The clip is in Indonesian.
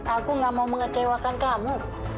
aku gak mau mengecewakan kamu